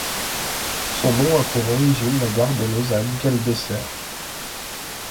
Son nom a pour origine la gare de Lausanne qu'elle dessert.